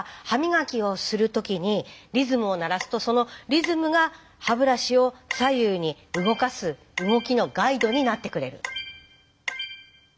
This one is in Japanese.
歯磨きをする時にリズムを鳴らすとそのリズムが歯ブラシを左右に動かす動きのガイドになってくれる。